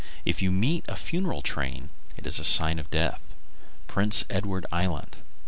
If you meet a funeral train, it is a sign of death. _Prince Edward Island.